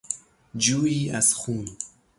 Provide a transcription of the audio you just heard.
جویی از خون